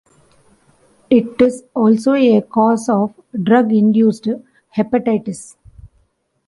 It is also a cause of drug-induced hepatitis.